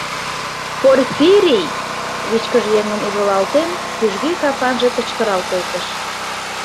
— Порфирий! — вичкыж еҥым ужылалтен, кӱжгӱ капанже кычкырал колтыш.